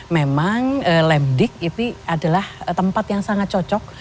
memang lemdik itu adalah tempat yang sangat cocok